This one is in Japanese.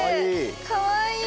かわいい。